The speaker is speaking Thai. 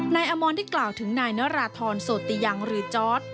นายอำมอนที่กล่าวถึงนายนราธรโสติยังหรือจ๊อต